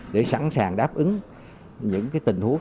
để sẵn sàng đáp ứng những tình huống